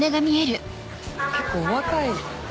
結構お若い。